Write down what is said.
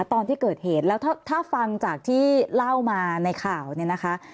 ตอนที่เกิดเหตุแล้วถ้าฟังจากที่เล่ามาในข่าวเนี่ยนะคะ